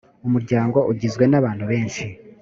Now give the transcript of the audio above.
umuryango ugizwe nabantu benshi.